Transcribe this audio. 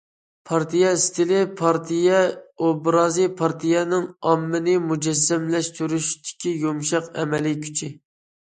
پارتىيە ئىستىلى، پارتىيە ئوبرازى پارتىيەنىڭ ئاممىنى مۇجەسسەملەشتۈرۈشتىكى يۇمشاق ئەمەلىي كۈچى.